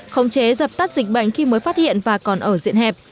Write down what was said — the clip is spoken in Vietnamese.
không chế dập tắt dịch bệnh khi mới phát hiện và còn ở diện hẹp